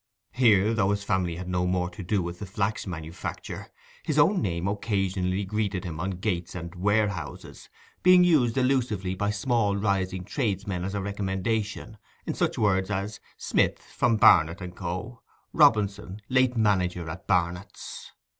Here, though his family had no more to do with the flax manufacture, his own name occasionally greeted him on gates and warehouses, being used allusively by small rising tradesmen as a recommendation, in such words as 'Smith, from Barnet & Co.'—'Robinson, late manager at Barnet's.